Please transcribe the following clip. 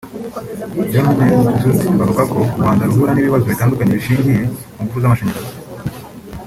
Johannes Zutt avuga ko u Rwanda ruhura n’ibibazo bitandukanye bishingiye ku ngufu z’amashanyarazi